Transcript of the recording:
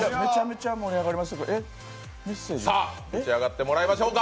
じゃ、盛り上がってもらいましょうか。